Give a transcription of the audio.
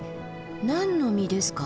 何の実ですか？